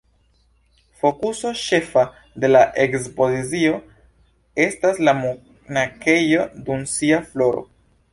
Fokuso ĉefa de la ekspozicio esta la monakejo dum sia floro.